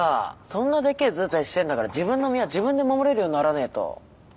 そんなでけえずうたいしてんだから自分の身は自分で守れるようにならねえと。